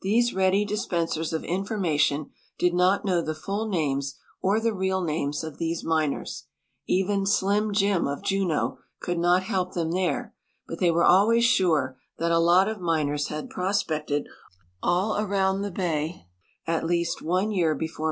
These ready dispensers of information did not know the full names or the nial names of these miners; even "Slim Jim," of .Juneau, could not help them there, but they were always sure that "a lot of miners" had prospected all around the bay at least one year before